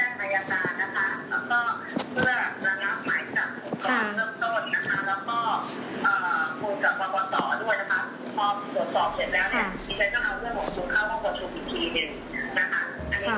คุณก็ต้องเอาเรื่องของคุณเข้าล่องประชุมอีกทีหนึ่ง